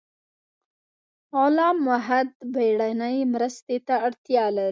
غلام محد بیړنۍ مرستې ته اړتیا لري